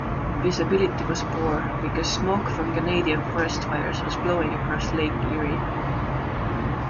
Visibility was poor because smoke from Canadian forest fires was blowing across Lake Erie.